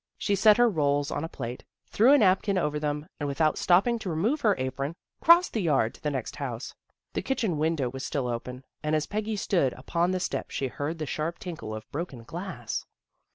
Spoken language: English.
She set her rolls on a plate, threw a napkin over them, and without stopping to remove her apron, crossed the yard to the next house. The kitchen window was still open, and as Peggy stood upon the steps she heard the sharp tinkle of broken glass.